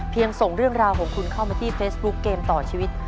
ส่งเรื่องราวของคุณเข้ามาที่เฟซบุ๊คเกมต่อชีวิต